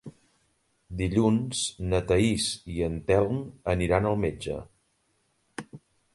Dilluns na Thaís i en Telm aniran al metge.